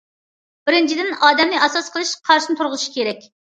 بىرىنچىدىن، ئادەمنى ئاساس قىلىش قارىشىنى تۇرغۇزۇش كېرەك.